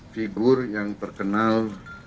figur yang terkenal